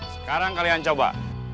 sekarang kalian coba